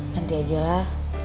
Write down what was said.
nanti aja lah